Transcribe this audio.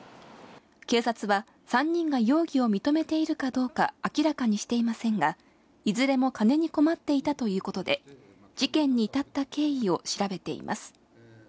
警察は、３人が容疑を認めているかどうか明らかにしていませんが、いずれも金に困っていたということで、事件に至った経緯を調べています。